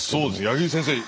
柳生先生